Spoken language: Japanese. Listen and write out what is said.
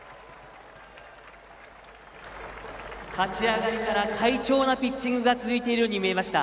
立ち上がりから快調なピッチングが続いているように見えました。